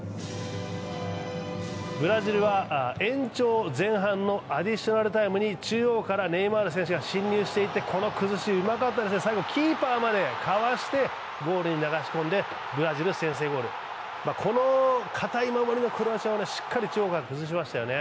ブラジルは延長前半のアディショナルタイムに中央からネイマール選手が進入していってうまかったですね、最後キーパーまでかわしてゴールに流し込んでブラジル先制ゴール、このかたい守りのクロアチアをしっかり崩しましたよね。